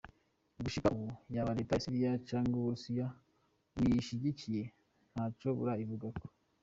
Gushika ubu, yaba reta ya Syria canke Uburusiya buyishigikiye, nta co barabivugako.